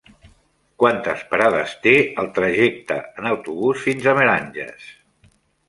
Quantes parades té el trajecte en autobús fins a Meranges?